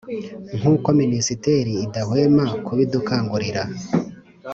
nkuko minisiteli idahwema kubidukangurira.